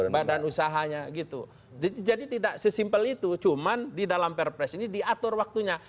badan usahanya gitu jadi tidak sesimpel itu cuma di dalam perpres ini diatur waktunya